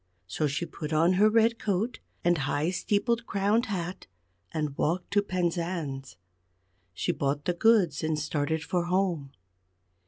So she put on her red coat and high steeple crowned hat, and walked to Penzance. She bought the goods and started for home.